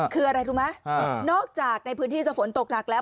คืออะไรรู้ไหมนอกจากในพื้นที่จะฝนตกหนักแล้ว